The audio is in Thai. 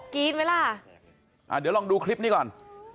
รี๊ดไหมล่ะเดี๋ยวลองดูคลิปนี้ก่อน